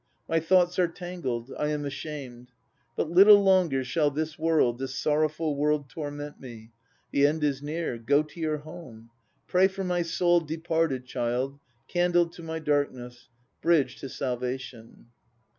My thoughts are tangled: I am ashamed. But little longer shall this world, This sorrowful world torment me. The end is near: go to your home; Pray for my soul departed, child, candle to my darkness, Bridge to salvation!